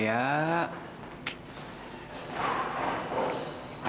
ayah kemana sih ini